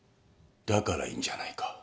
だからいいんじゃないか。